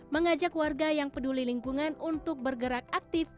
mengajak warga yang peduli lingkungan untuk bergerak aktif